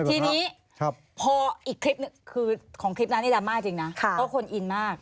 ทีนี้พออีกคลิปหนึ่งคือของคลิปนั้นนี่ดราม่าจริงนะเพราะคนอินมาก